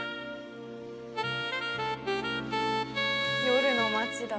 夜の街だ。